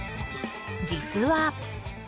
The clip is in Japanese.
実は。